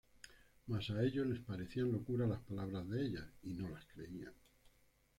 Mas a ellos les parecían locura las palabras de ellas, y no las creían.